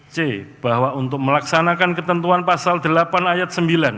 c bahwa untuk melaksanakan ketentuan pasal delapan ayat sembilan